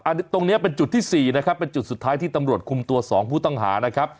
อันนี้ตรงเนี้ยเป็นจุดที่๔นะครับเป็นจุดสุดท้ายที่ตำรวจคุมตัวสองผู้ต้องหานะครับ